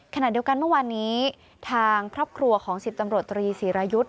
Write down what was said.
ขณะเดียวกันเมื่อวานนี้ทางครอบครัวของ๑๐ตำรวจตรีศิรายุทธ์